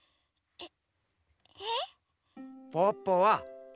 えっ？